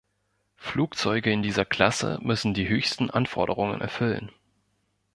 Flugzeuge in dieser Klasse müssen die höchsten Anforderungen erfüllen.